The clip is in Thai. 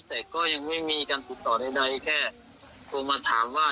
แต่ก็ยังไม่มีการติดต่อใดแค่โทรมาถามว่า